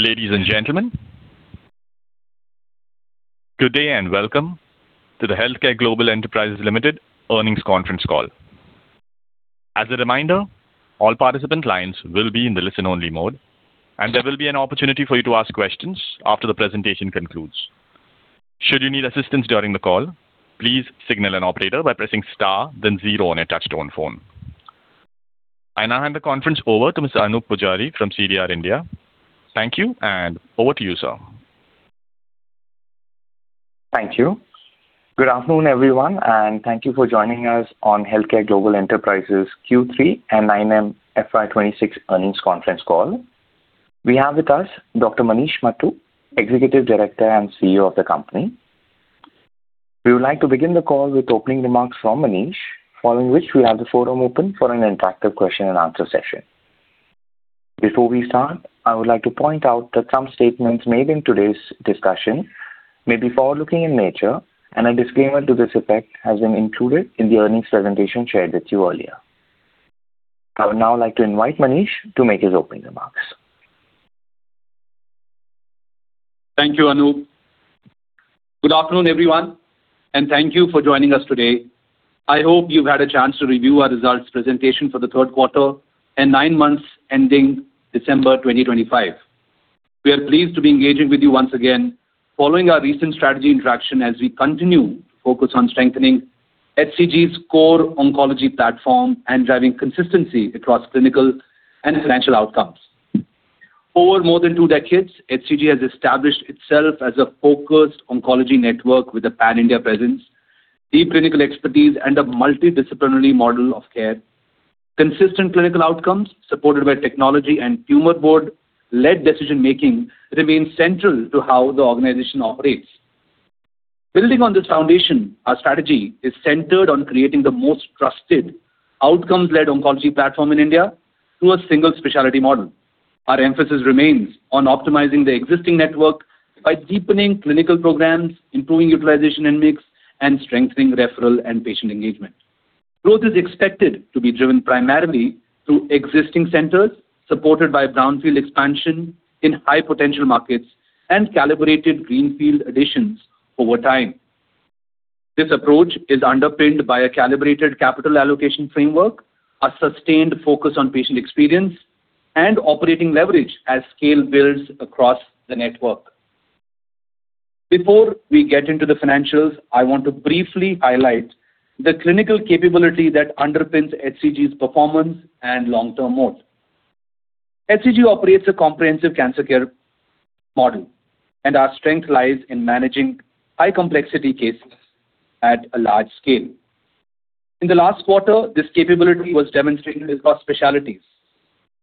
Ladies and gentlemen, good day and welcome to the HealthCare Global Enterprises Limited Earnings Conference Call. As a reminder, all participant lines will be in the listen-only mode, and there will be an opportunity for you to ask questions after the presentation concludes. Should you need assistance during the call, please signal an operator by pressing star, then zero on your touch-tone phone. I now hand the conference over to Mr. Anoop Poojari from CDR India. Thank you, and over to you, sir. Thank you. Good afternoon, everyone, and thank you for joining us on HealthCare Global Enterprises' Q3 and 9M FY 2026 Earnings Conference Call. We have with us Dr. Manish Mattoo, Executive Director and CEO of the company. We would like to begin the call with opening remarks from Manish, following which we have the forum open for an interactive question-and-answer session. Before we start, I would like to point out that some statements made in today's discussion may be forward-looking in nature, and a disclaimer to this effect has been included in the earnings presentation shared with you earlier. I would now like to invite Manish to make his opening remarks. Thank you, Anoop. Good afternoon, everyone, and thank you for joining us today. I hope you've had a chance to review our results presentation for the third quarter and nine months ending December 2025. We are pleased to be engaging with you once again, following our recent strategy interaction as we continue to focus on strengthening HCG's core oncology platform and driving consistency across clinical and financial outcomes. Over more than two decades, HCG has established itself as a focused oncology network with a pan-India presence, deep clinical expertise, and a multidisciplinary model of care. Consistent clinical outcomes, supported by technology and Tumor Board-led decision-making, remain central to how the organization operates. Building on this foundation, our strategy is centered on creating the most trusted outcomes-led oncology platform in India through a single specialty model. Our emphasis remains on optimizing the existing network by deepening clinical programs, improving utilization and mix, and strengthening referral and patient engagement. Growth is expected to be driven primarily through existing centers supported by brownfield expansion in high-potential markets and calibrated greenfield additions over time. This approach is underpinned by a calibrated capital allocation framework, a sustained focus on patient experience, and operating leverage as scale builds across the network. Before we get into the financials, I want to briefly highlight the clinical capability that underpins HCG's performance and long-term moat. HCG operates a comprehensive cancer care model, and our strength lies in managing high-complexity cases at a large scale. In the last quarter, this capability was demonstrated across specialties.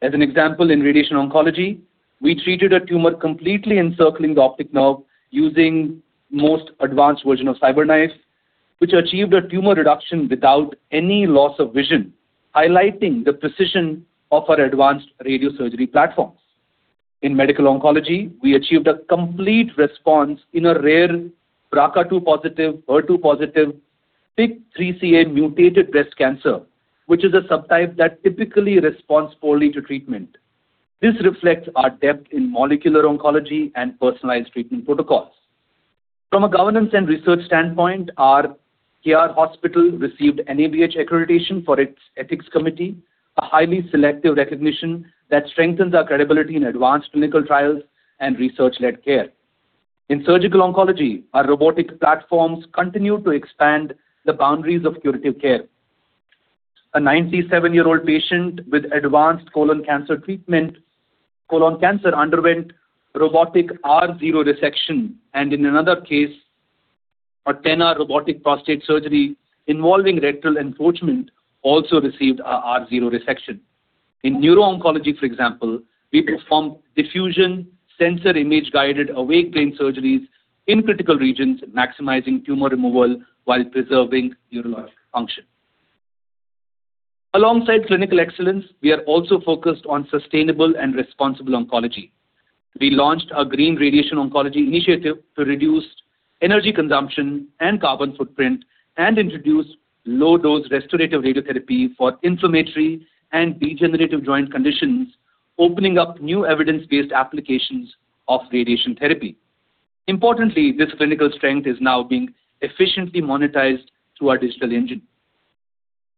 As an example, in radiation oncology, we treated a tumor completely encircling the optic nerve using the most advanced version of CyberKnife, which achieved a tumor reduction without any loss of vision, highlighting the precision of our advanced radiosurgery platforms. In medical oncology, we achieved a complete response in a rare BRCA2-positive, HER2-positive, PIK3CA mutated breast cancer, which is a subtype that typically responds poorly to treatment. This reflects our depth in molecular oncology and personalized treatment protocols. From a governance and research standpoint, our KR hospital received NABH accreditation for its ethics committee, a highly selective recognition that strengthens our credibility in advanced clinical trials and research-led care. In surgical oncology, our robotic platforms continue to expand the boundaries of curative care. A 97-year-old patient with advanced colon cancer treatment underwent robotic R0 resection, and in another case, a 10R robotic prostate surgery involving rectal encroachment also received an R0 resection. In neuro-oncology, for example, we performed diffusion tensor image-guided awake brain surgeries in critical regions, maximizing tumor removal while preserving neurologic function. Alongside clinical excellence, we are also focused on sustainable and responsible oncology. We launched a green radiation oncology initiative to reduce energy consumption and carbon footprint and introduce low-dose restorative radiotherapy for inflammatory and degenerative joint conditions, opening up new evidence-based applications of radiation therapy. Importantly, this clinical strength is now being efficiently monetized through our digital engine.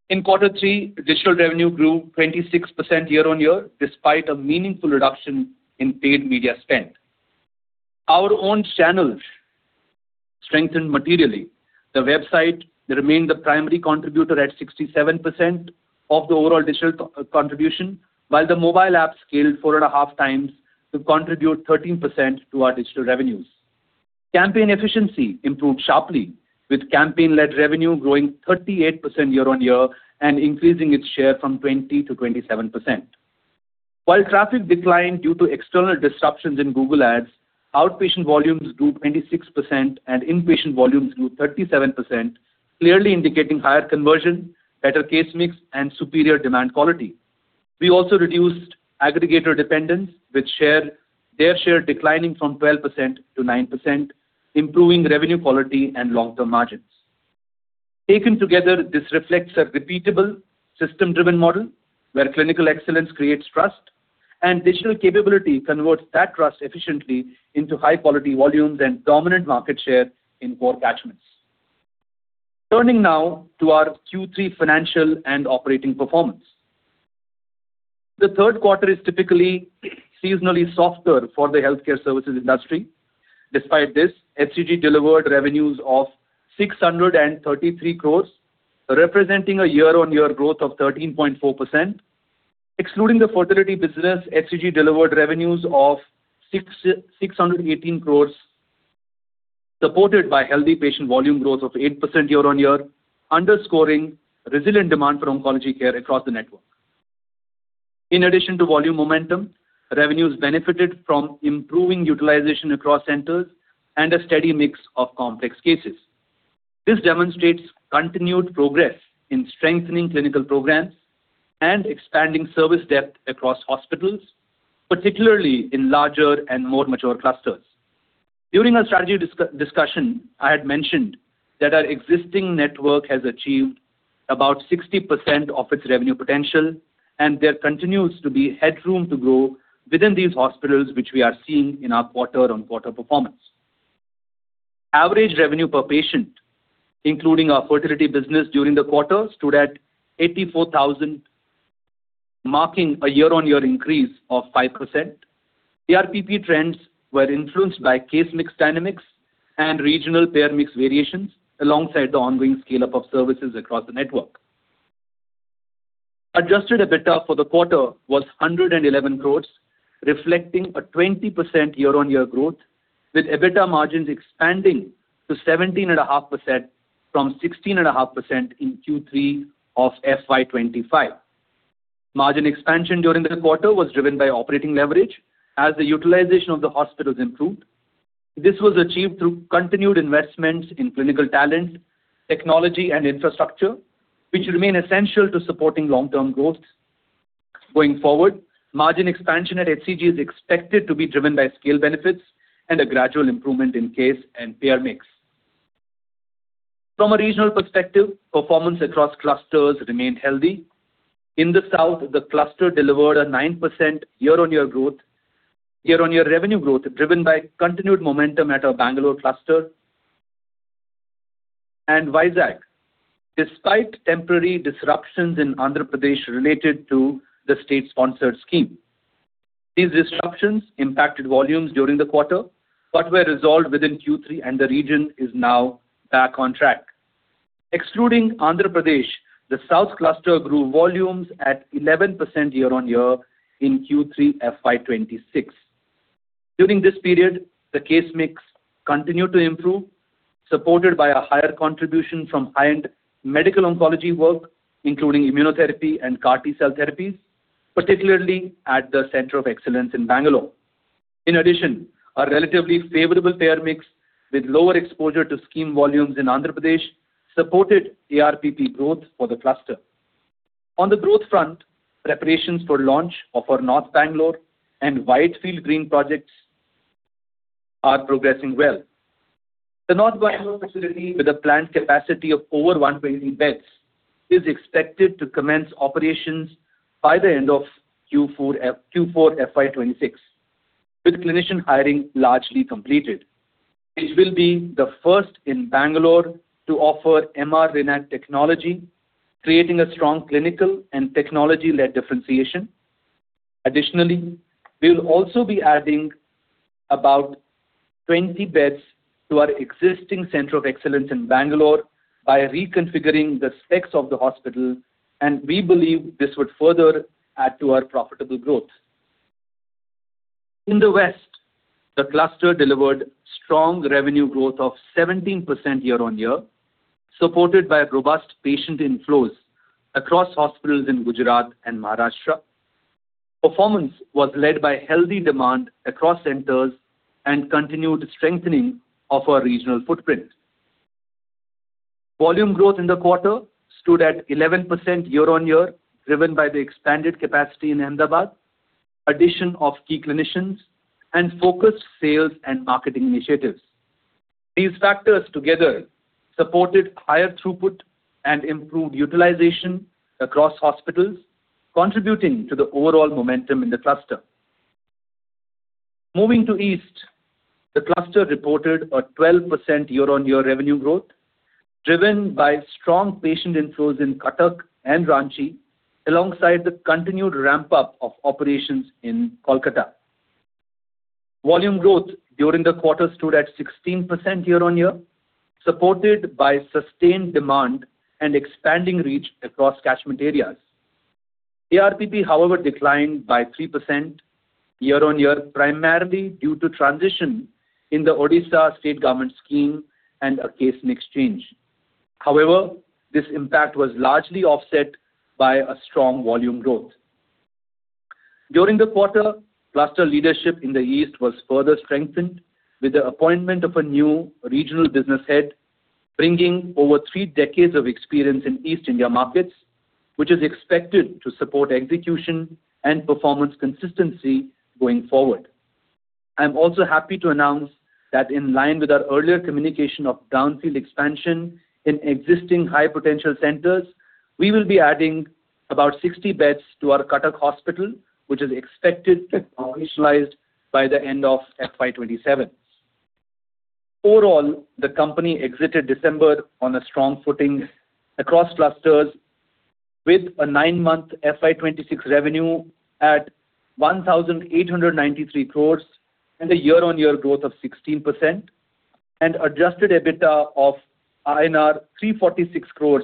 In quarter three, digital revenue grew 26% year-over-year, despite a meaningful reduction in paid media spend. Our own channels strengthened materially. The website remained the primary contributor at 67% of the overall digital contribution, while the mobile app scaled 4.5x to contribute 13% to our digital revenues. Campaign efficiency improved sharply, with campaign-led revenue growing 38% year-on-year and increasing its share from 20%-27%. While traffic declined due to external disruptions in Google Ads, outpatient volumes grew 26%, and inpatient volumes grew 37%, clearly indicating higher conversion, better case mix, and superior demand quality. We also reduced aggregator dependence, with their share declining from 12%-9%, improving revenue quality and long-term margins. Taken together, this reflects a repeatable system-driven model where clinical excellence creates trust, and digital capability converts that trust efficiently into high-quality volumes and dominant market share in core catchments. Turning now to our Q3 financial and operating performance. The third quarter is typically seasonally softer for the healthcare services industry. Despite this, HCG delivered revenues of 633 crore, representing a year-on-year growth of 13.4%. Excluding the fertility business, HCG delivered revenues of 618 crore, supported by healthy patient volume growth of 8% year-on-year, underscoring resilient demand for Oncology Care across the network. In addition to volume momentum, revenues benefited from improving utilization across centers and a steady mix of complex cases. This demonstrates continued progress in strengthening clinical programs and expanding service depth across hospitals, particularly in larger and more mature clusters. During our strategy discussion, I had mentioned that our existing network has achieved about 60% of its revenue potential, and there continues to be headroom to grow within these hospitals, which we are seeing in our quarter-on-quarter performance. Average revenue per patient, including our fertility business during the quarter, stood at 84,000, marking a year-on-year increase of 5%. ARPP trends were influenced by case mix dynamics and regional payer mix variations, alongside the ongoing scale-up of services across the network. Adjusted EBITDA for the quarter was 111 crore, reflecting a 20% year-on-year growth, with EBITDA margins expanding to 17.5% from 16.5% in Q3 of FY 2025. Margin expansion during the quarter was driven by operating leverage as the utilization of the hospitals improved. This was achieved through continued investments in clinical talent, technology, and infrastructure, which remain essential to supporting long-term growth. Going forward, margin expansion at HCG is expected to be driven by scale benefits and a gradual improvement in case and payer mix. From a regional perspective, performance across clusters remained healthy. In the South, the cluster delivered a 9% year-on-year growth, year-on-year revenue growth driven by continued momentum at our Bangalore cluster, and Vizag, despite temporary disruptions in Andhra Pradesh related to the state-sponsored scheme. These disruptions impacted volumes during the quarter but were resolved within Q3, and the region is now back on track. Excluding Andhra Pradesh, the South cluster grew volumes at 11% year-on-year in Q3 FY 2026. During this period, the case mix continued to improve, supported by a higher contribution from high-end medical oncology work, including immunotherapy and CAR-T cell therapies, particularly at the Center of Excellence in Bangalore. In addition, a relatively favorable payer mix with lower exposure to scheme volumes in Andhra Pradesh supported ARPP growth for the cluster. On the growth front, preparations for launch of our North Bangalore and Whitefield greenfield projects are progressing well. The North Bangalore facility, with a planned capacity of over 120 beds, is expected to commence operations by the end of Q4 FY 2026, with clinician hiring largely completed. It will be the first in Bangalore to offer MR-Linac technology, creating a strong clinical and technology-led differentiation. Additionally, we will also be adding about 20 beds to our existing Center of Excellence in Bangalore by reconfiguring the specs of the hospital, and we believe this would further add to our profitable growth. In the West, the cluster delivered strong revenue growth of 17% year-on-year, supported by robust patient inflows across hospitals in Gujarat and Maharashtra. Performance was led by healthy demand across centers and continued strengthening of our regional footprint. Volume growth in the quarter stood at 11% year-on-year, driven by the expanded capacity in Ahmedabad, addition of key clinicians, and focused sales and marketing initiatives. These factors together supported higher throughput and improved utilization across hospitals, contributing to the overall momentum in the cluster. Moving to East, the cluster reported a 12% year-on-year revenue growth, driven by strong patient inflows in Cuttack and Ranchi, alongside the continued ramp-up of operations in Kolkata. Volume growth during the quarter stood at 16% year-on-year, supported by sustained demand and expanding reach across catchment areas. ARPP, however, declined by 3% year-on-year, primarily due to transition in the Odisha state government scheme and a case mix change. However, this impact was largely offset by a strong volume growth. During the quarter, cluster leadership in the East was further strengthened with the appointment of a new regional business head, bringing over three decades of experience in East India markets, which is expected to support execution and performance consistency going forward. I'm also happy to announce that, in line with our earlier communication of brownfield expansion in existing high-potential centers, we will be adding about 60 beds to our Cuttack hospital, which is expected to be functionalized by the end of FY 2027. Overall, the company exited December on a strong footing across clusters, with a nine-month FY 2026 revenue at 1,893 crore and a year-on-year growth of 16%, and adjusted EBITDA of INR 346 crore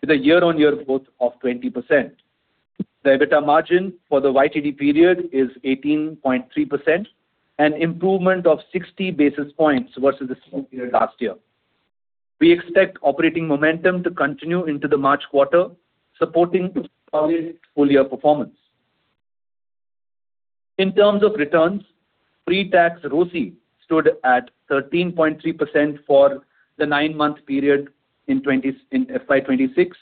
with a year-on-year growth of 20%. The EBITDA margin for the YTD period is 18.3%, an improvement of 60 basis points versus the same period last year. We expect operating momentum to continue into the March quarter, supporting solid full-year performance. In terms of returns, pre-tax ROCE stood at 13.3% for the nine-month period in FY 2026.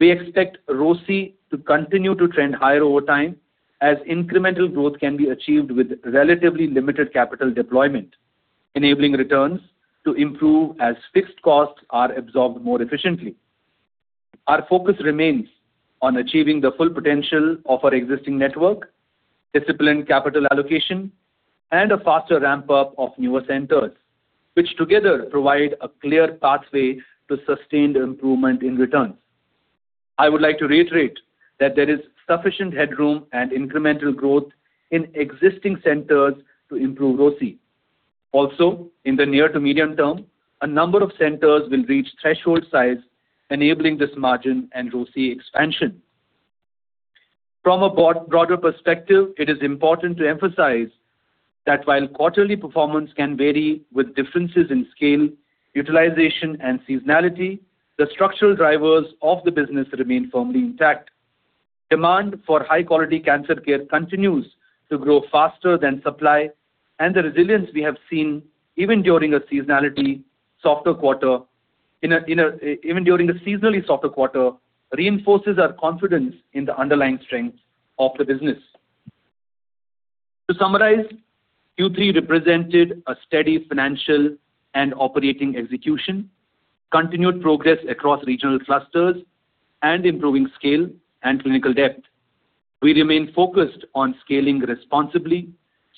We expect ROCE to continue to trend higher over time, as incremental growth can be achieved with relatively limited capital deployment, enabling returns to improve as fixed costs are absorbed more efficiently. Our focus remains on achieving the full potential of our existing network, disciplined capital allocation, and a faster ramp-up of newer centers, which together provide a clear pathway to sustained improvement in returns. I would like to reiterate that there is sufficient headroom and incremental growth in existing centers to improve ROCE. Also, in the near to medium term, a number of centers will reach threshold size, enabling this margin and ROCE expansion. From a broader perspective, it is important to emphasize that, while quarterly performance can vary with differences in scale, utilization, and seasonality, the structural drivers of the business remain firmly intact. Demand for high-quality cancer care continues to grow faster than supply, and the resilience we have seen even during a seasonally softer quarter reinforces our confidence in the underlying strengths of the business. To summarize, Q3 represented a steady financial and operating execution, continued progress across regional clusters, and improving scale and clinical depth. We remain focused on scaling responsibly,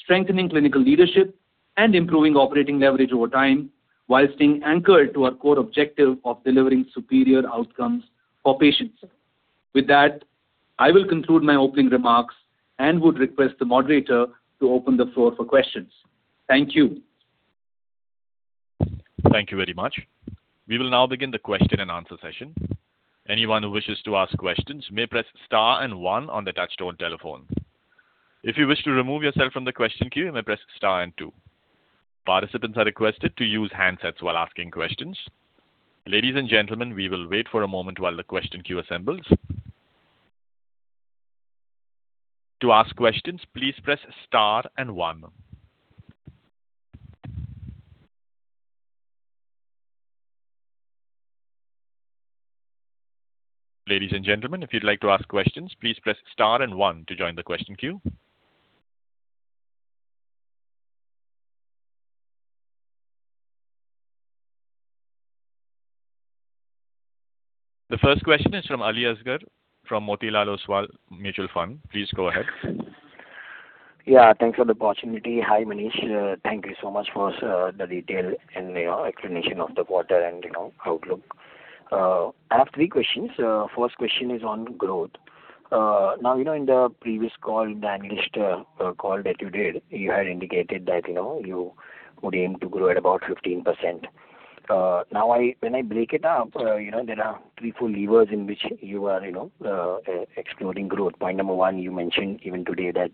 strengthening clinical leadership, and improving operating leverage over time while staying anchored to our core objective of delivering superior outcomes for patients. With that, I will conclude my opening remarks and would request the moderator to open the floor for questions. Thank you. Thank you very much. We will now begin the question and answer session. Anyone who wishes to ask questions may press star and one on the touch-tone telephone. If you wish to remove yourself from the question queue, you may press star and two. Participants are requested to use handsets while asking questions. Ladies and gentlemen, we will wait for a moment while the question queue assembles. To ask questions, please press star and one. Ladies and gentlemen, if you'd like to ask questions, please press star and one to join the question queue. The first question is from Aliasgar from Motilal Oswal Mutual Fund. Please go ahead. Yeah, thanks for the opportunity. Hi, Manish. Thank you so much for the detail and explanation of the quarter and outlook. I have three questions. First question is on growth. Now, in the previous call, in the analyst call that you did, you had indicated that you would aim to grow at about 15%. Now, when I break it up, there are three, four levers in which you are exploring growth. Point number one, you mentioned even today that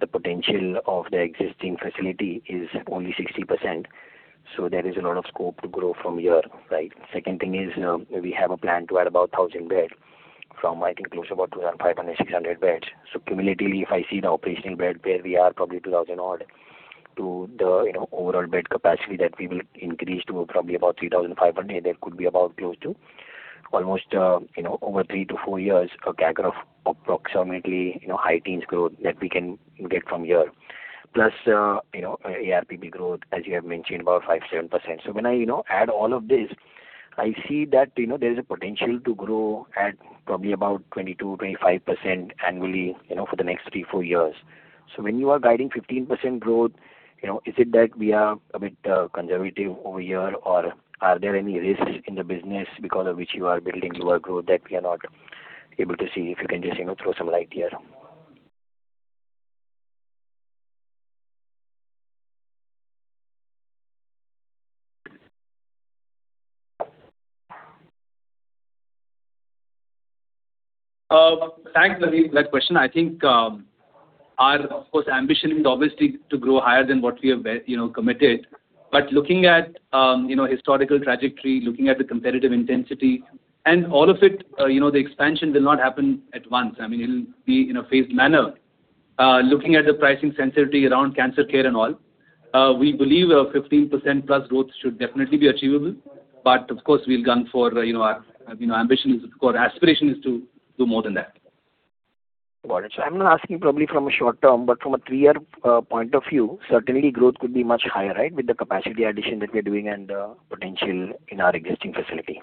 the potential of the existing facility is only 60%. So there is a lot of scope to grow from here, right? Second thing is, we have a plan to add about 1,000 beds from, I think, close to about 2,500-600 beds. So cumulatively, if I see the operational bed base, we are probably 2,000-odd. To the overall bed capacity that we will increase to probably about 3,500, there could be about close to almost over three to four years, a CAGR of approximately high-teens growth that we can get from here, plus ARPP growth, as you have mentioned, about 5%-7%. So when I add all of this, I see that there is a potential to grow at probably about 22%-25% annually for the next three, four years. So when you are guiding 15% growth, is it that we are a bit conservative over here, or are there any risks in the business because of which you are building your growth that we are not able to see? If you can just throw some light here. Thanks, Ali, for that question. I think our, of course, ambition is obviously to grow higher than what we have committed. But looking at historical trajectory, looking at the competitive intensity, and all of it, the expansion will not happen at once. I mean, it'll be in a phased manner. Looking at the pricing sensitivity around cancer care and all, we believe 15%+ growth should definitely be achievable. But of course, we'll gun for our ambition is, of course, aspiration is to do more than that. Got it. So I'm not asking probably from a short term, but from a three-year point of view, certainly, growth could be much higher, right, with the capacity addition that we're doing and the potential in our existing facility.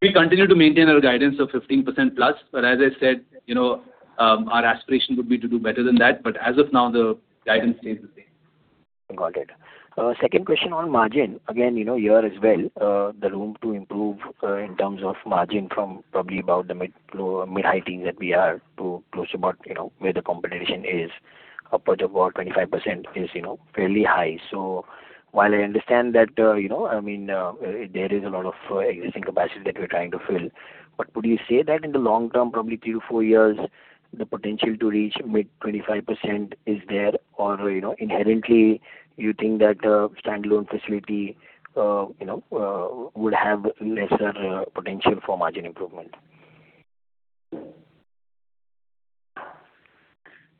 We continue to maintain our guidance of 15%+. But as I said, our aspiration would be to do better than that. But as of now, the guidance stays the same. Got it. Second question on margin. Again, here as well, the room to improve in terms of margin from probably about the mid-high teens that we are to close to about where the competition is, upwards of about 25%, is fairly high. So while I understand that, I mean, there is a lot of existing capacity that we're trying to fill, but would you say that in the long term, probably three, four years, the potential to reach mid-25% is there, or inherently, you think that a standalone facility would have lesser potential for margin improvement?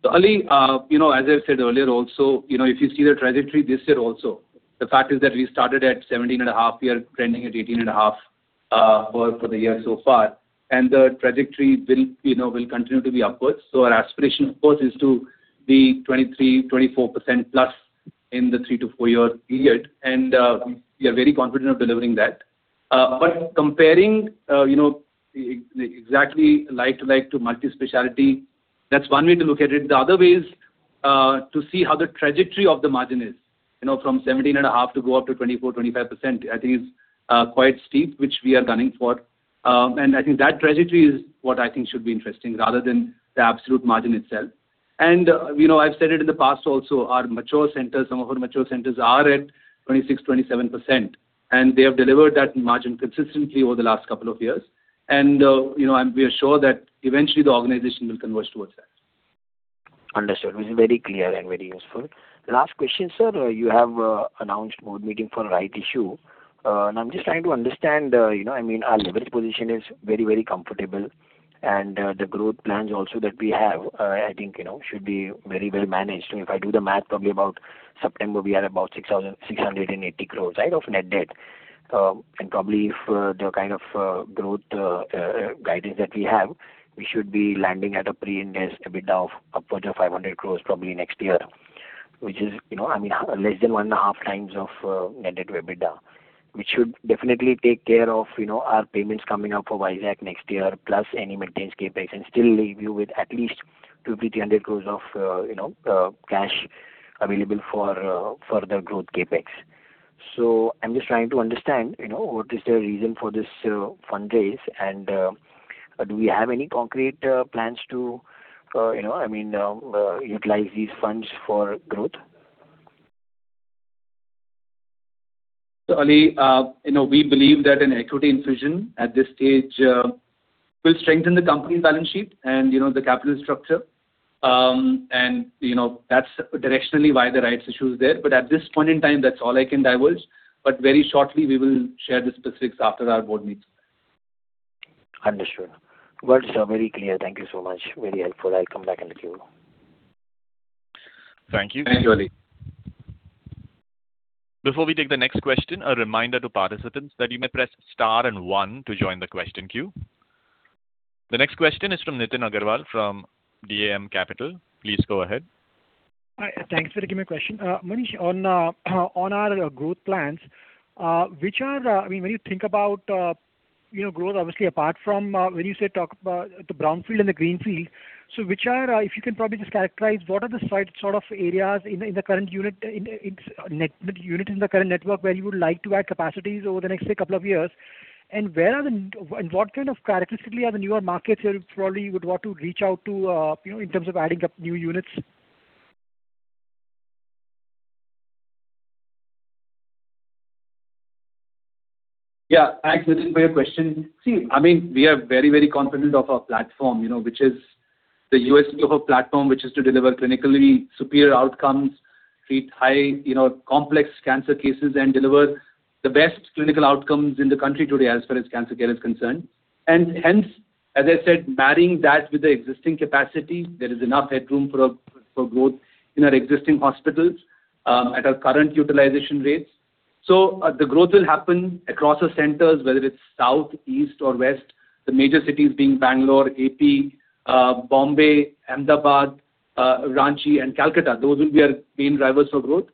So Ali, as I've said earlier also, if you see the trajectory this year also, the fact is that we started at 17.5%, we are trending at 18.5% for the year so far. And the trajectory will continue to be upwards. So our aspiration, of course, is to be 23%-24%+ in the three to four year period. And we are very confident of delivering that. But comparing exactly like-to-like to multispecialty, that's one way to look at it. The other way is to see how the trajectory of the margin is from 17.5% to go up to 24%-25%. I think it's quite steep, which we are gunning for. And I think that trajectory is what I think should be interesting rather than the absolute margin itself. I've said it in the past also, our mature centers, some of our mature centers are at 26%-27%. They have delivered that margin consistently over the last couple of years. We are sure that eventually, the organization will converge towards that. Understood. Which is very clear and very useful. Last question, sir. You have announced board meeting for a rights issue. I'm just trying to understand. I mean, our leverage position is very, very comfortable. The growth plans also that we have, I think, should be very well managed. If I do the math, probably about September, we are about 680 crore, right, of net debt. Probably if the kind of growth guidance that we have, we should be landing at a Pre-Ind AS EBITDA of upwards of 500 crore probably next year, which is, I mean, less than 1.5x of net debt EBITDA, which should definitely take care of our payments coming up for Vizag next year, plus any maintenance CapEx, and still leave you with at least 200 crore-300 crore of cash available for further growth CapEx. I'm just trying to understand what is the reason for this fundraise? Do we have any concrete plans to, I mean, utilize these funds for growth? So Ali, we believe that an equity infusion at this stage will strengthen the company balance sheet and the capital structure. That's directionally why the rights issue is there. At this point in time, that's all I can divulge. Very shortly, we will share the specifics after our board meets. Understood. Got it. So very clear. Thank you so much. Very helpful. I'll come back and let you go. Thank you. Thank you, Ali. Before we take the next question, a reminder to participants that you may press star and one to join the question queue. The next question is from Nitin Agarwal from DAM Capital. Please go ahead. Hi. Thanks for giving me a question. Manish, on our growth plans, which are, I mean, when you think about growth, obviously, apart from when you say talk about the brownfield and the greenfield, so which are, if you can probably just characterize, what are the sort of areas in the current unit in the net unit in the current network where you would like to add capacities over the next couple of years? And where are the, and what kind of characteristically are the newer markets that you probably would want to reach out to in terms of adding up new units? Yeah. Thanks, Nitin, for your question. See, I mean, we are very, very confident of our platform, which is the USP of our platform, which is to deliver clinically superior outcomes, treat high-complex cancer cases, and deliver the best clinical outcomes in the country today as far as cancer care is concerned. And hence, as I said, marrying that with the existing capacity, there is enough headroom for growth in our existing hospitals at our current utilization rates. So the growth will happen across our centers, whether it's South, East, or West, the major cities being Bangalore, AP, Mumbai, Ahmedabad, Ranchi, and Kolkata. Those will be our main drivers for growth.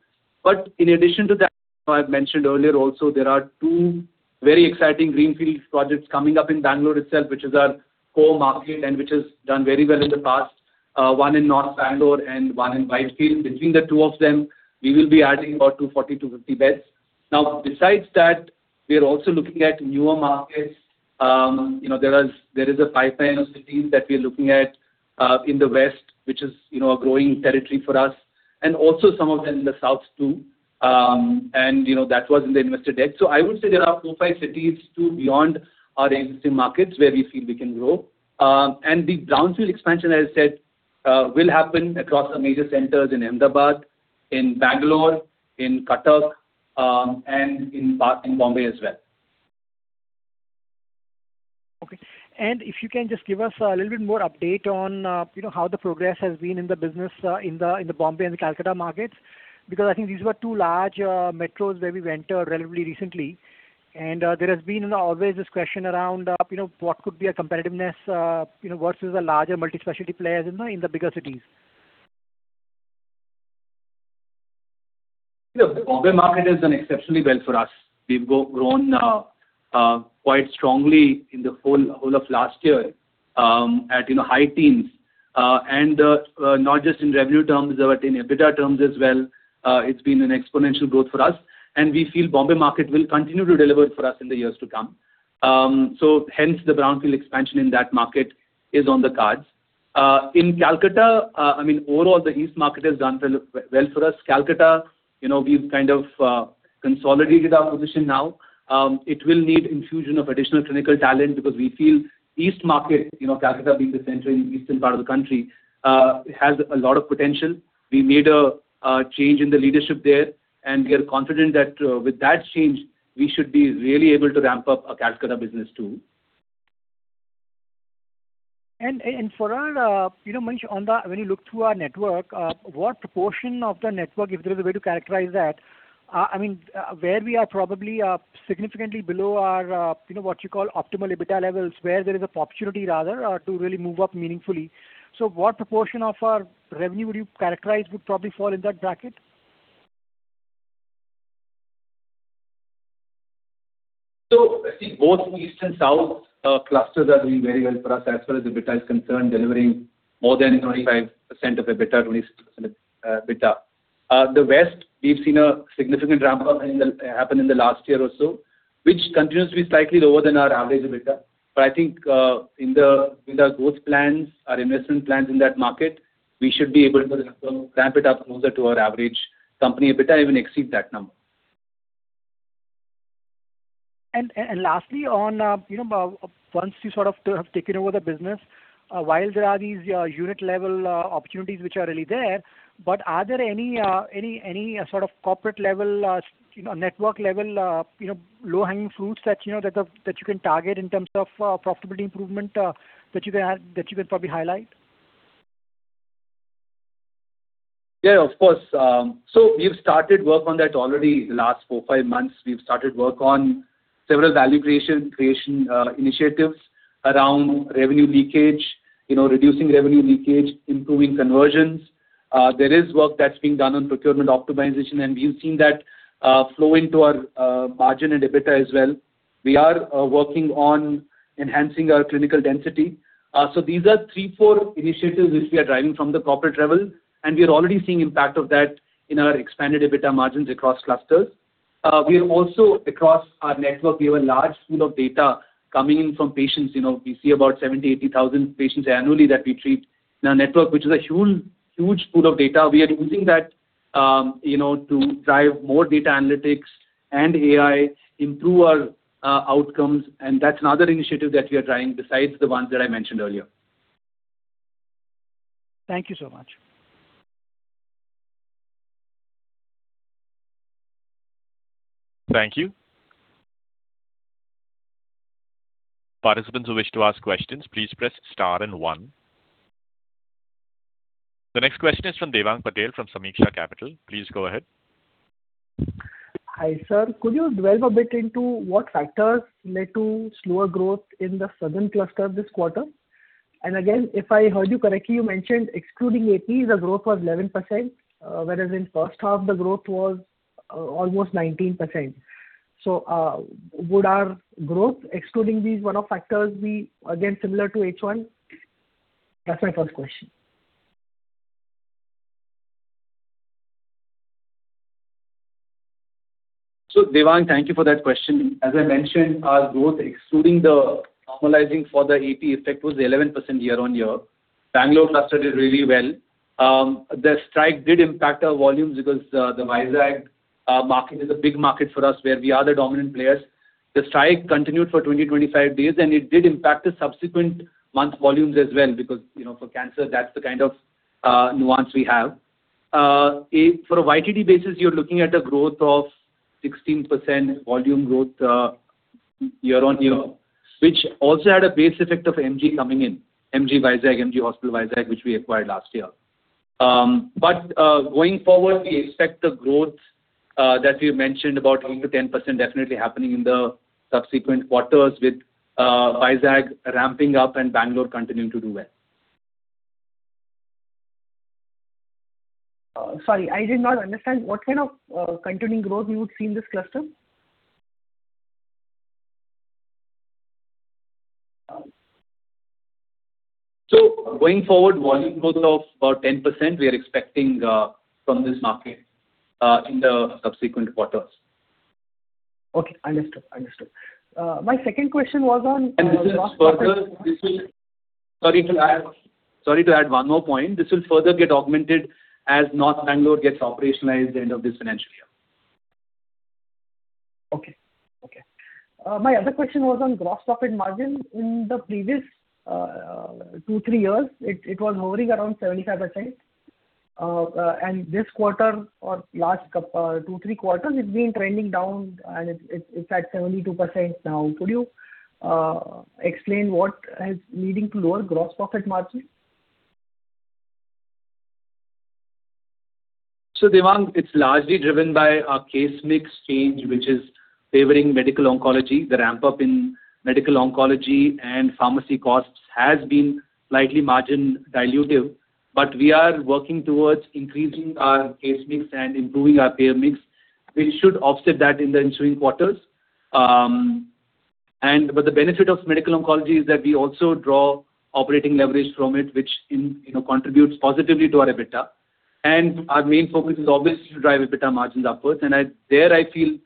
But in addition to that, I've mentioned earlier also, there are two very exciting greenfield projects coming up in Bangalore itself, which is our core market and which has done very well in the past, one in North Bangalore and one in Whitefield. Between the two of them, we will be adding about 240-250 beds. Now, besides that, we are also looking at newer markets. There is a pipeline of cities that we are looking at in the West, which is a growing territory for us, and also some of them in the south too. And that was in the investor deck. So I would say there are four, five cities too beyond our existing markets where we feel we can grow. And the brownfield expansion, as I said, will happen across our major centers in Ahmedabad, in Bangalore, in Cuttack, and in Bombay as well. Okay. If you can just give us a little bit more update on how the progress has been in the business in the Mumbai and the Kolkata markets, because I think these were two large metros where we ventured relatively recently. There has been always this question around what could be a competitiveness versus the larger multispecialty players in the bigger cities. The Bombay market has done exceptionally well for us. We've grown quite strongly in the whole of last year at high teens, and not just in revenue terms but in EBITDA terms as well. It's been an exponential growth for us. We feel Bombay market will continue to deliver for us in the years to come. So hence, the brownfield expansion in that market is on the cards. In Calcutta, I mean, overall, the east market has done well for us. Calcutta, we've kind of consolidated our position now. It will need infusion of additional clinical talent because we feel east market, Calcutta being the center in the eastern part of the country, has a lot of potential. We made a change in the leadership there. We are confident that with that change, we should be really able to ramp up a Calcutta business too. For our Manish, when you look through our network, what proportion of the network, if there is a way to characterize that, I mean, where we are probably significantly below our what you call optimal EBITDA levels, where there is opportunity rather to really move up meaningfully? What proportion of our revenue would you characterize would probably fall in that bracket? So see, both east and south clusters are doing very well for us as far as EBITDA is concerned, delivering more than 25% of EBITDA, 26% of EBITDA. The west, we've seen a significant ramp-up happen in the last year or so, which continues to be slightly lower than our average EBITDA. But I think with our growth plans, our investment plans in that market, we should be able to ramp it up closer to our average company EBITDA, even exceed that number. And lastly, once you sort of have taken over the business, while there are these unit-level opportunities which are really there, but are there any sort of corporate-level, network-level low-hanging fruits that you can target in terms of profitability improvement that you can probably highlight? Yeah, of course. So we've started work on that already the last four, five months. We've started work on several value creation initiatives around revenue leakage, reducing revenue leakage, improving conversions. There is work that's being done on procurement optimization. And we've seen that flow into our margin and EBITDA as well. We are working on enhancing our clinical density. So these are three, four initiatives which we are driving from the corporate level. And we are already seeing impact of that in our expanded EBITDA margins across clusters. We are also, across our network, we have a large pool of data coming in from patients. We see about 70,000-80,000 patients annually that we treat in our network, which is a huge, huge pool of data. We are using that to drive more data analytics and AI, improve our outcomes. That's another initiative that we are driving besides the ones that I mentioned earlier. Thank you so much. Thank you. Participants who wish to ask questions, please press star and one. The next question is from Devang Patel from Sameeksha Capital. Please go ahead. Hi, sir. Could you delve a bit into what factors led to slower growth in the southern cluster this quarter? And again, if I heard you correctly, you mentioned excluding AP, the growth was 11%, whereas in first half, the growth was almost 19%. So would our growth, excluding these one-off factors, be again similar to H1? That's my first question. So Devang, thank you for that question. As I mentioned, our growth, excluding the normalizing for the AP effect, was 11% year-on-year. Bangalore cluster did really well. The strike did impact our volumes because the Vizag market is a big market for us where we are the dominant players. The strike continued for 20-25 days. And it did impact the subsequent month volumes as well because for cancer, that's the kind of nuance we have. For a YTD basis, you're looking at a growth of 16% volume growth year-on-year, which also had a base effect of MG coming in, MG Vizag, MG Hospital Vizag, which we acquired last year. But going forward, we expect the growth that you mentioned about 8%-10% definitely happening in the subsequent quarters with Vizag ramping up and Bangalore continuing to do well. Sorry. I did not understand. What kind of continuing growth we would see in this cluster? Going forward, volume growth of about 10% we are expecting from this market in the subsequent quarters. Okay. Understood. Understood. My second question was on. Sorry to add one more point. This will further get augmented as North Bangalore gets operationalized at the end of this financial year. Okay. Okay. My other question was on gross profit margin. In the previous two, three years, it was hovering around 75%. And this quarter or last two, three quarters, it's been trending down. And it's at 72% now. Could you explain what is leading to lower gross profit margin? So Devang, it's largely driven by our case mix change, which is favoring medical oncology. The ramp-up in medical oncology and pharmacy costs has been slightly margin dilutive. But we are working towards increasing our case mix and improving our payer mix, which should offset that in the ensuing quarters. But the benefit of medical oncology is that we also draw operating leverage from it, which contributes positively to our EBITDA. And our main focus is obviously to drive EBITDA margins upwards. And there, I feel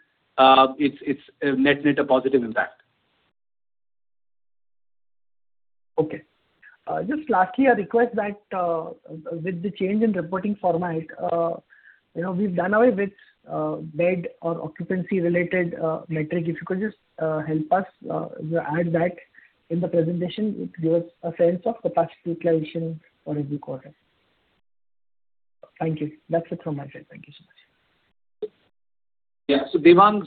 it's net, net a positive impact. Okay. Just lastly, I request that with the change in reporting format, we've done away with bed or occupancy-related metric. If you could just help us add that in the presentation, it gives us a sense of capacity utilization for every quarter. Thank you. That's it from my side. Thank you so much. Yeah. So Devang,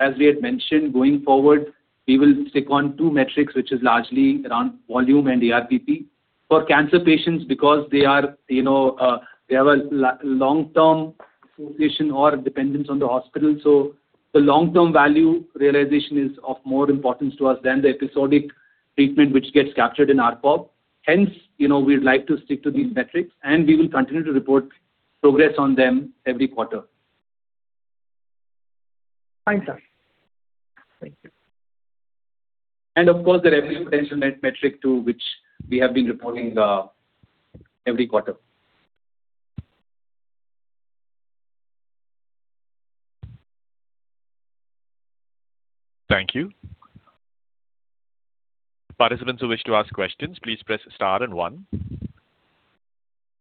as we had mentioned, going forward, we will stick on two metrics, which is largely around volume and ARPP for cancer patients because they are they have a long-term association or dependence on the hospital. So the long-term value realization is of more importance to us than the episodic treatment, which gets captured in RPOP. Hence, we'd like to stick to these metrics. And we will continue to report progress on them every quarter. Fine, sir. Thank you. Of course, there are every potential metric too which we have been reporting every quarter. Thank you. Participants who wish to ask questions, please press star and one.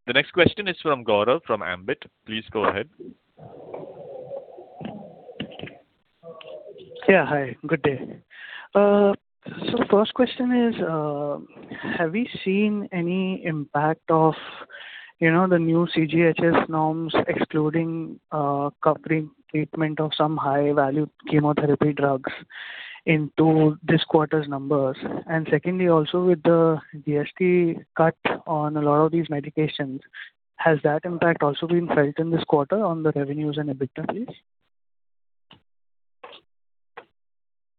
The next question is from Gaurav from Ambit. Please go ahead. Yeah. Hi. Good day. The first question is, have we seen any impact of the new CGHS norms excluding covering treatment of some high-value chemotherapy drugs into this quarter's numbers? And secondly, also, with the GST cut on a lot of these medications, has that impact also been felt in this quarter on the revenues and EBITDA?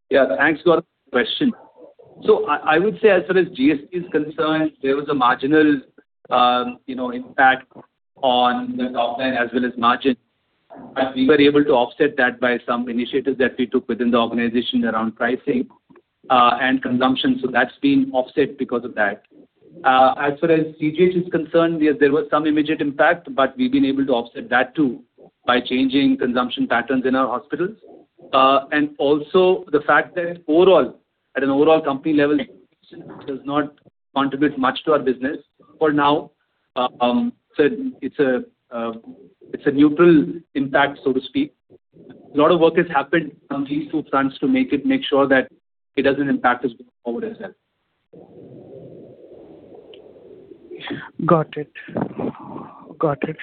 Yeah. Thanks, Gaurav, for the question. So I would say as far as GST is concerned, there was a marginal impact on the top line as well as margin. But we were able to offset that by some initiatives that we took within the organization around pricing and consumption. So that's been offset because of that. As far as CGHS is concerned, yes, there was some immediate impact. But we've been able to offset that too by changing consumption patterns in our hospitals. And also, the fact that overall, at an overall company level, it does not contribute much to our business for now. So it's a neutral impact, so to speak. A lot of work has happened on these two fronts to make sure that it doesn't impact us going forward as well. Got it. Got it.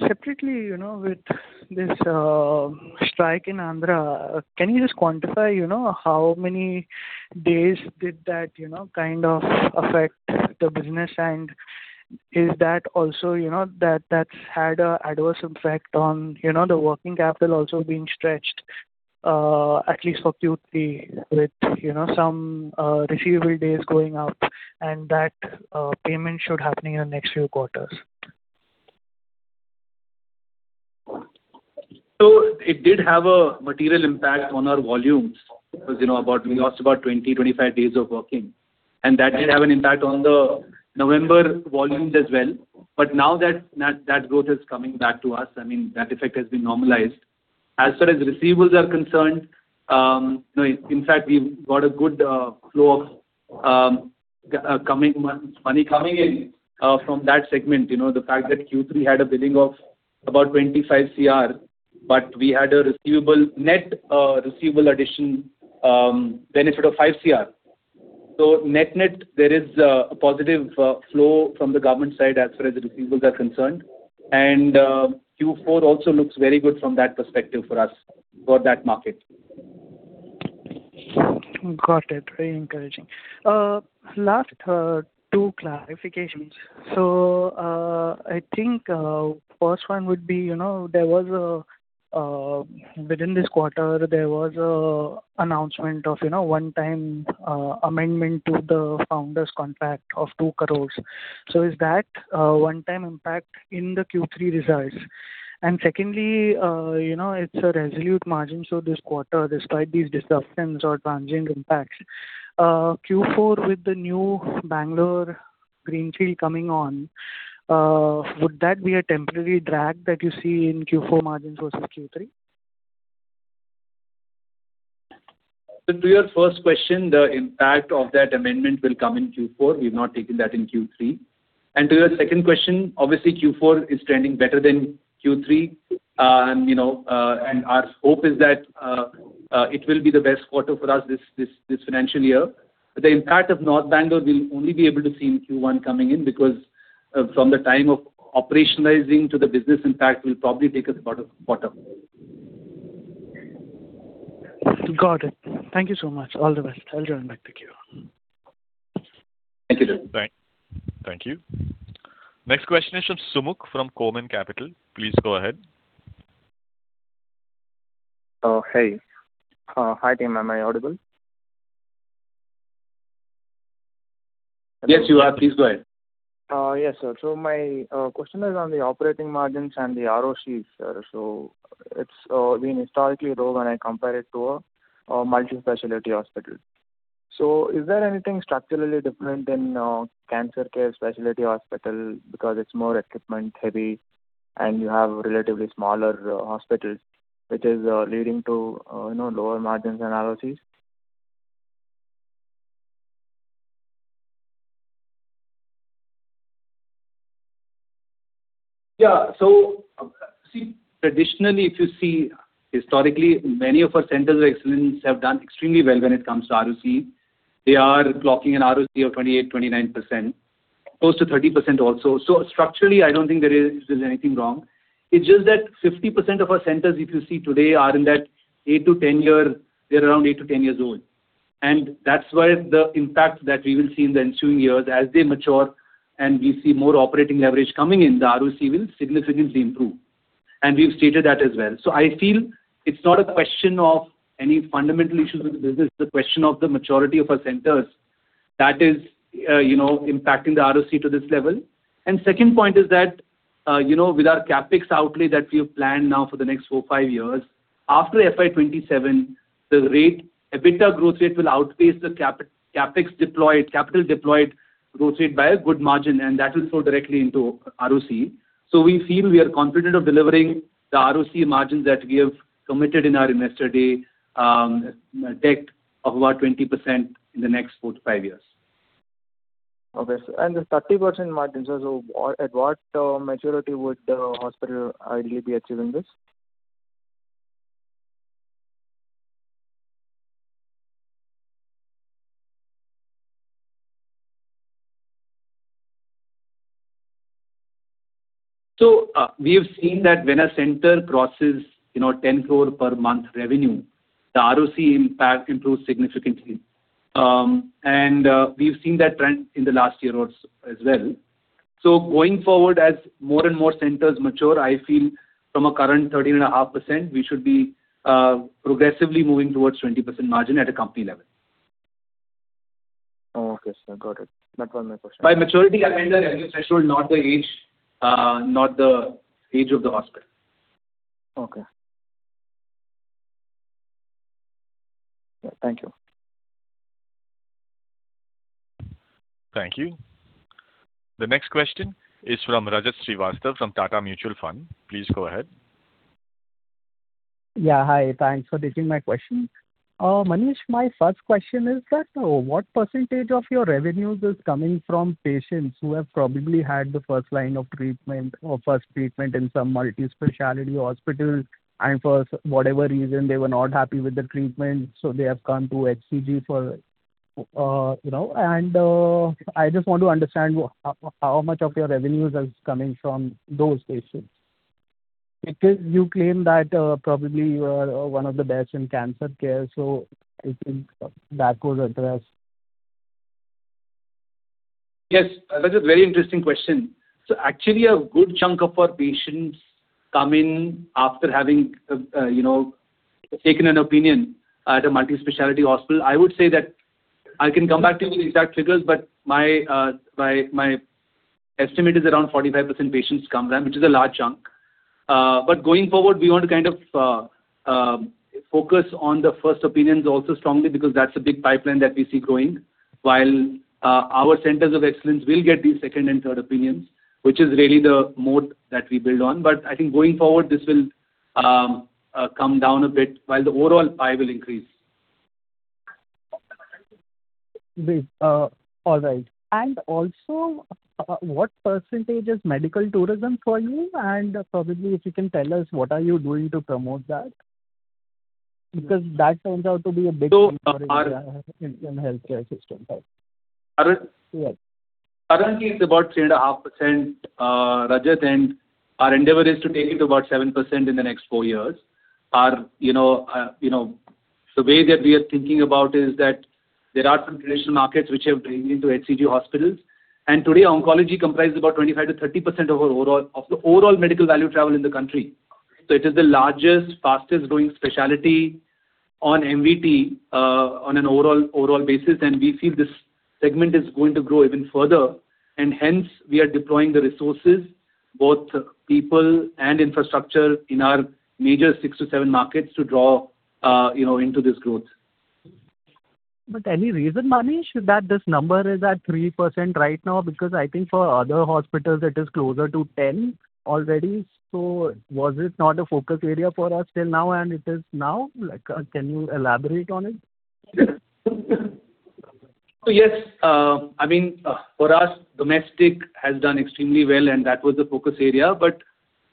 Separately, with this strike in Andhra, can you just quantify how many days did that kind of affect the business? And is that also that that's had an adverse effect on the working capital also being stretched, at least for Q3, with some receivable days going up and that payment should happen in the next few quarters? So it did have a material impact on our volumes because we lost about 20-25 days of working. And that did have an impact on the November volumes as well. But now that growth is coming back to us, I mean, that effect has been normalized. As far as receivables are concerned, in fact, we've got a good flow of money coming in from that segment, the fact that Q3 had a billing of about 25 crore, but we had a net receivable addition benefit of 5 crore. So net-net, there is a positive flow from the government side as far as receivables are concerned. And Q4 also looks very good from that perspective for us, for that market. Got it. Very encouraging. Last two clarifications. So I think first one would be, within this quarter, there was an announcement of one-time amendment to the founders' contract of 2 crore. So is that one-time impact in the Q3 results? And secondly, it's an absolute margin. So this quarter, despite these disruptions or transient impacts, Q4, with the new Bangalore greenfield coming on, would that be a temporary drag that you see in Q4 margins versus Q3? So to your first question, the impact of that amendment will come in Q4. We've not taken that in Q3. And to your second question, obviously, Q4 is trending better than Q3. And our hope is that it will be the best quarter for us this financial year. But the impact of North Bangalore will only be able to see in Q1 coming in because from the time of operationalizing to the business impact will probably take us about a quarter. Got it. Thank you so much. All the best. I'll join back to Q. Thank you, Gaurav. Thank you. Next question is from Sumukh from Korman Capital. Please go ahead. Hey. Hi, team. Am I audible? Yes, you are. Please go ahead. Yes, sir. So my question is on the operating margins and the ROCs, sir. So it's been historically low when I compare it to a multi-specialty hospital. So is there anything structurally different in cancer care specialty hospital because it's more equipment-heavy and you have relatively smaller hospitals, which is leading to lower margins and ROCs? Yeah. So see, traditionally, if you see, historically, many of our centers of excellence have done extremely well when it comes to ROC. They are clocking an ROC of 28%-29%, close to 30% also. So structurally, I don't think there is anything wrong. It's just that 50% of our centers, if you see today, are in that eight to 10 year they're around eight to 10 years old. And that's why the impact that we will see in the ensuing years, as they mature and we see more operating leverage coming in, the ROC will significantly improve. And we've stated that as well. So I feel it's not a question of any fundamental issues with the business. It's a question of the maturity of our centers that is impacting the ROC to this level. Second point is that with our CapEx outlay that we have planned now for the next four, five years, after FY 2027, the EBITDA growth rate will outpace the CapEx deployed, capital deployed growth rate by a good margin. That will flow directly into ROC. We feel we are confident of delivering the ROC margins that we have committed in our investor day deck of about 20% in the next four to five years. Okay. The 30% margins, sir, so at what maturity would the hospital ideally be achieving this? We have seen that when a center crosses 10 crore per month revenue, the ROC impact improves significantly. We've seen that trend in the last year as well. Going forward, as more and more centers mature, I feel from a current 13.5%, we should be progressively moving towards 20% margin at a company level. Okay. So I got it. That was my question. By maturity, I mean the revenue threshold, not the age of the hospital. Okay. Thank you. Thank you. The next question is from Rajat Srivastava from Tata Mutual Fund. Please go ahead. Yeah. Hi. Thanks for taking my question. Manish, my first question is that what percentage of your revenues is coming from patients who have probably had the first line of treatment or first treatment in some multi-specialty hospital? And for whatever reason, they were not happy with the treatment, so they have come to HCG for and I just want to understand how much of your revenues is coming from those patients because you claim that probably you are one of the best in cancer care. So I think that would address. Yes. Rajat, very interesting question. So actually, a good chunk of our patients come in after having taken an opinion at a multi-specialty hospital. I would say that I can come back to you with exact figures, but my estimate is around 45% patients come there, which is a large chunk. But going forward, we want to kind of focus on the first opinions also strongly because that's a big pipeline that we see growing. While our centers of excellence will get these second and third opinions, which is really the moat that we build on. But I think going forward, this will come down a bit while the overall pie will increase. All right. And also, what percentage is medical tourism for you? And probably, if you can tell us, what are you doing to promote that? Because that turns out to be a big part in the healthcare system. Currently, it's about 3.5%, Rajat. Our endeavor is to take it to about 7% in the next four years. The way that we are thinking about is that there are some traditional markets which have drained into HCG hospitals. Today, oncology comprises about 25%-30% of the overall medical value travel in the country. It is the largest, fastest-growing specialty on MVT on an overall basis. We feel this segment is going to grow even further. Hence, we are deploying the resources, both people and infrastructure, in our major six to seven markets to draw into this growth. Any reason, Manish, that this number is at 3% right now? Because I think for other hospitals, it is closer to 10% already. Was it not a focus area for us till now, and it is now? Can you elaborate on it? So yes. I mean, for us, domestic has done extremely well. That was the focus area. But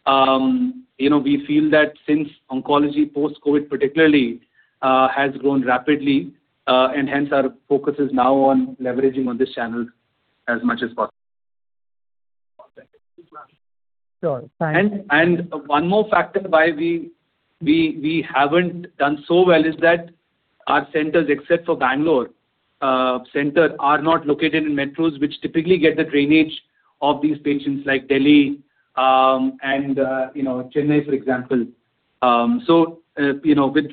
we feel that since oncology, post-COVID particularly, has grown rapidly. Hence, our focus is now on leveraging on this channel as much as possible. Sure. Thanks. One more factor why we haven't done so well is that our centers, except for Bangalore Center, are not located in metros, which typically get the drainage of these patients like Delhi and Chennai, for example. So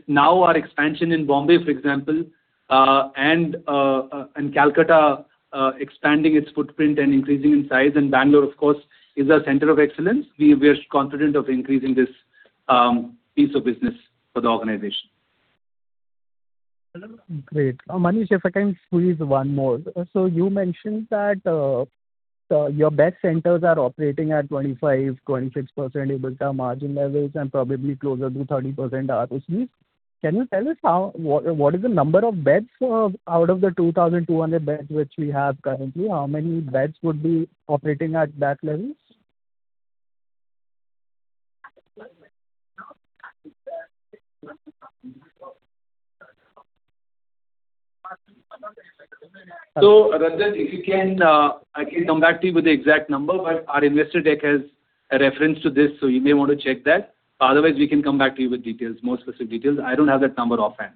now, our expansion in Mumbai, for example, and Kolkata expanding its footprint and increasing in size, and Bangalore, of course, is our center of excellence. We are confident of increasing this piece of business for the organization. Great. Manish, if I can squeeze one more. So you mentioned that your best centers are operating at 25%-26% EBITDA margin levels and probably closer to 30% ROCs. Can you tell us what is the number of beds out of the 2,200 beds which we have currently? How many beds would be operating at that level? Rajat, if you can, I can come back to you with the exact number. But our investor deck has a reference to this. You may want to check that. Otherwise, we can come back to you with more specific details. I don't have that number offhand,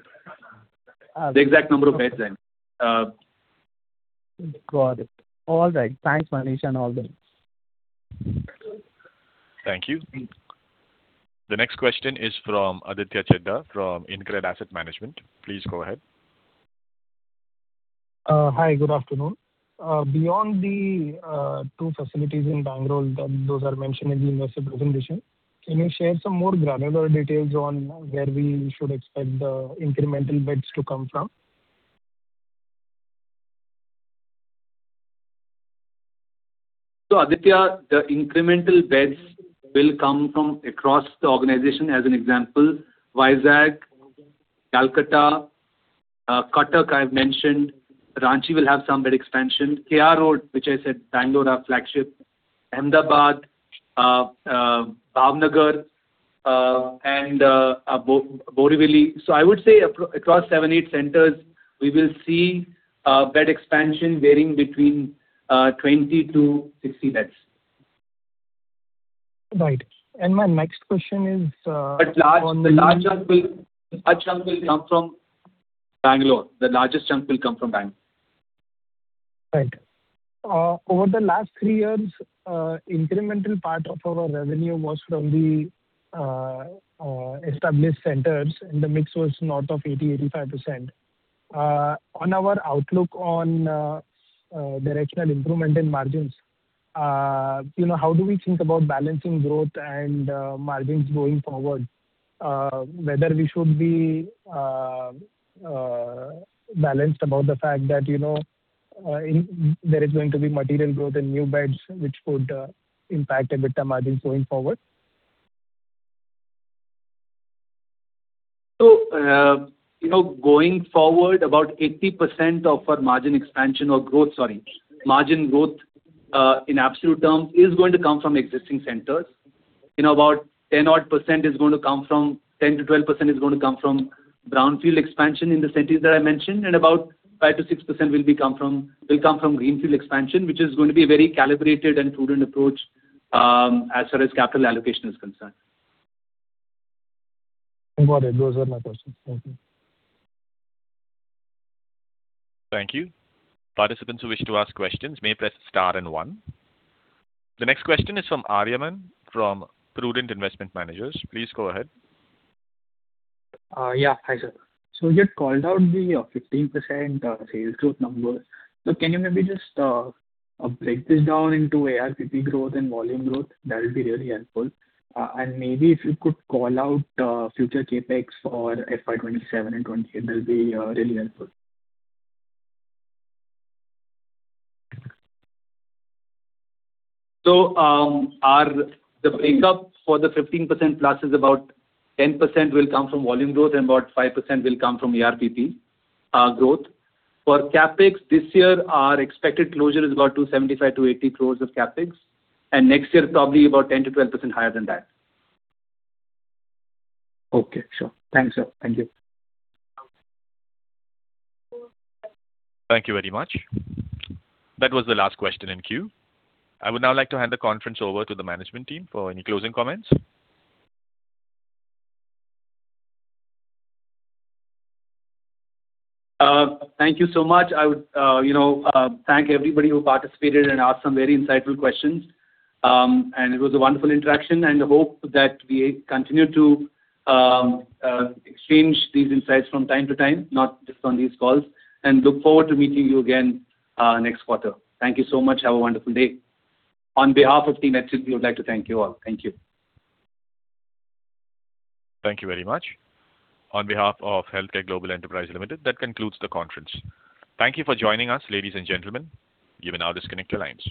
the exact number of beds, I mean. Got it. All right. Thanks, Manish, and all that. Thank you. The next question is from Aditya Chheda from Incred Asset Management. Please go ahead. Hi. Good afternoon. Beyond the two facilities in Bangalore that those are mentioned in the investor presentation, can you share some more granular details on where we should expect the incremental beds to come from? Aditya, the incremental beds will come from across the organization. As an example, Vizag, Kolkata, Cuttack I've mentioned. Ranchi will have some bed expansion. KR Road, which I said Bangalore are flagship, Ahmedabad, Bhavnagar, and Borivali. I would say across seven, eight centers, we will see bed expansion varying between 20-60 beds. Right. And my next question is on the. The large chunk will come from Bangalore. The largest chunk will come from Bangalore. Right. Over the last three years, incremental part of our revenue was from the established centers. The mix was north of 80%-85%. On our outlook on directional improvement in margins, how do we think about balancing growth and margins going forward, whether we should be balanced about the fact that there is going to be material growth in new beds, which would impact EBITDA margins going forward? So going forward, about 80% of our margin expansion or growth, sorry, margin growth in absolute terms is going to come from existing centers. About 10-odd% is going to come from 10%-12% is going to come from brownfield expansion in the centers that I mentioned. And about 5%-6% will come from greenfield expansion, which is going to be a very calibrated and prudent approach as far as capital allocation is concerned. I think about it. Those are my questions. Thank you. Thank you. Participants who wish to ask questions may press star and one. The next question is from Aryamaan from Prudent Investment Managers. Please go ahead. Yeah. Hi, sir. So we had called out the 15% sales growth number. So can you maybe just break this down into ARPP growth and volume growth? That would be really helpful. And maybe if you could call out future CapEx for FY 2027 and 2028, that would be really helpful. So the breakup for the 15% plus is about 10% will come from volume growth and about 5% will come from ARPP growth. For CapEx this year, our expected closure is about 275-280 crores of CapEx. Next year, probably about 10%-12% higher than that. Okay. Sure. Thanks, sir. Thank you. Thank you very much. That was the last question in queue. I would now like to hand the conference over to the management team for any closing comments. Thank you so much. I would thank everybody who participated and asked some very insightful questions. It was a wonderful interaction. I hope that we continue to exchange these insights from time to time, not just on these calls. Look forward to meeting you again next quarter. Thank you so much. Have a wonderful day. On behalf of Team HCG, we would like to thank you all. Thank you. Thank you very much. On behalf of HealthCare Global Enterprises Limited, that concludes the conference. Thank you for joining us, ladies and gentlemen. You may now disconnect your lines.